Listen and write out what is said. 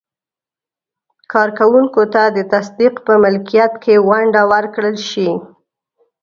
کارکوونکو ته د تصدیو په ملکیت کې ونډه ورکړل شي.